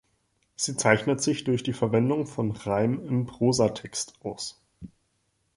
Sie zeichnet sich durch die Verwendung von Reim im Prosatext aus.